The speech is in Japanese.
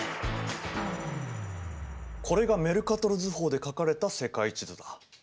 これがメルカトル図法で描かれた世界地図だ。